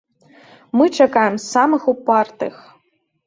Мы чакаем самых упартых!